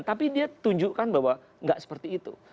tapi dia tunjukkan bahwa nggak seperti itu